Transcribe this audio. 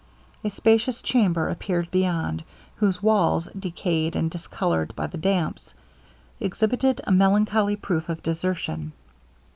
A spacious chamber appeared beyond, whose walls, decayed and discoloured by the damps, exhibited a melancholy proof of desertion.